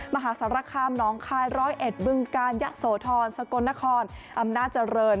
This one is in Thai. มหาศรคามน้องคายร้อยเอ็ดบึงกานยะโสธรสกลนครอำนาจเจริญ